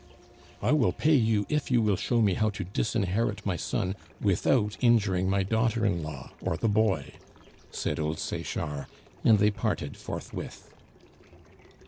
"I will pay you if you will show me how to disinherit my son without injuring my daughter in law or the boy," said old Sechard, and they parted forthwith.